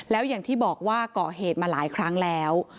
แล้วอย่างที่บอกว่าก่อเหตุมาหลายครั้งแล้ว